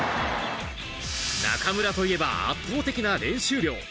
中村といえば圧倒的な練習量。